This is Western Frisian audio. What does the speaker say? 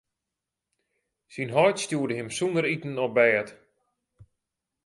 Syn heit stjoerde him sûnder iten op bêd.